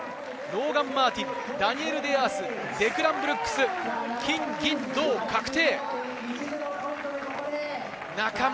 ローガン・マーティン、ダニエル・デアース、デクラン・ブルックス、金銀銅、確定。